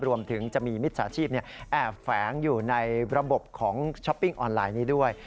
รวมถึงจะมีมิจฉาชีพแอบแฝงอยู่ในระบบของช้อปปิ้งออนไลน์นี้ด้วย